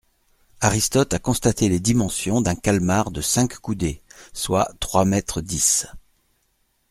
Aristote a constaté les dimensions d'un calmar de cinq coudées, soit trois mètres dix.